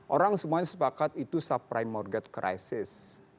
orang semuanya sepakat itu subprime mortgage crisis